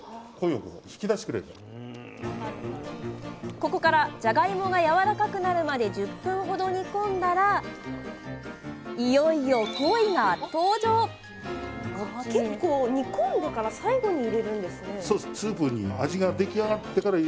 ここからじゃがいもがやわらかくなるまで１０分ほど煮込んだらいよいよ５分ほど煮たらブイヤベースの完成。